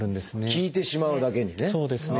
効いてしまうだけにね。